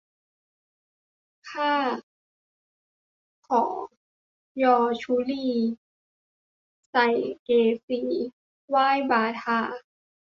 ข้าขอยอชุลี ใส่เกศีไหว้บาทา